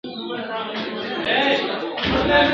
د کمزوري عاقبت !.